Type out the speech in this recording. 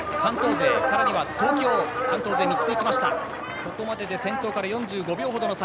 ここまでで先頭から４５秒程の差。